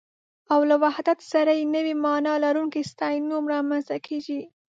او له وحدت سره يې نوې مانا لرونکی ستاينوم رامنځته کېږي